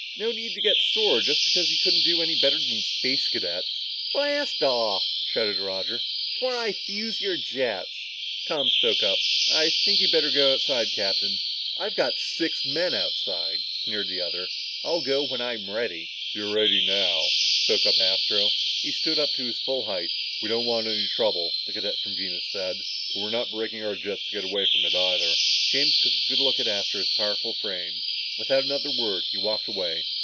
"No need to get sore, just because you couldn't do any better than the Space Cadets." "Blast off," shouted Roger, "before I fuse your jets." Tom spoke up. "I think you'd better go, Captain." "I've got six men outside," sneered the other. "I'll go when I'm ready." "You're ready now," spoke up Astro. He stood up to his full height. "We don't want any trouble," the cadet from Venus said, "but we're not braking our jets to get away from it, either." James took a good look at Astro's powerful frame. Without another word he walked away.